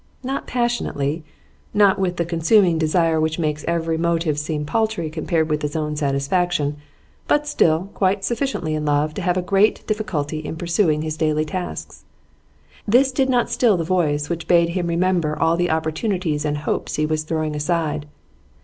Not passionately, not with the consuming desire which makes every motive seem paltry compared with its own satisfaction; but still quite sufficiently in love to have a great difficulty in pursuing his daily tasks. This did not still the voice which bade him remember all the opportunities and hopes he was throwing aside.